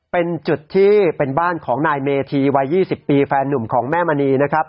เป็นจุดที่เป็นบ้านของนายเมธีวัย๒๐ปีแฟนหนุ่มของแม่มณีนะครับ